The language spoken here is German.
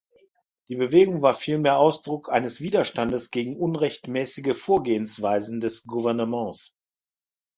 Die Bewegung war vielmehr Ausdruck eines Widerstandes gegen unrechtmäßige Vorgehensweisen des Gouvernements.